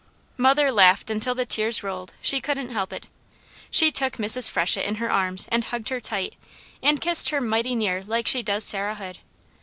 Mother laughed until the tears rolled, she couldn't help it. She took Mrs. Freshett in her arms and hugged her tight, and kissed her mighty near like she does Sarah Hood.